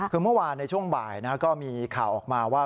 คือเมื่อวานในช่วงบ่ายก็มีข่าวออกมาว่า